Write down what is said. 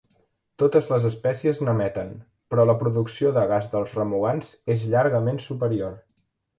Totes les espècies n'emeten, però la producció de gas dels remugants és llargament superior.